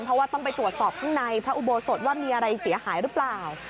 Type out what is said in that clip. เพราะว่าต้องไปตรวจสอบข้างในพระอุโบสถว่ามีอะไรเสียหายหรือเปล่า